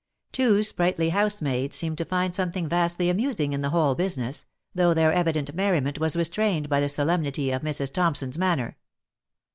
Two sprightly housemaids seemed to find some thing vastly amusing in the whole business, though their evident merriment was restrained by the solemnity of Mrs. Thompson's manner.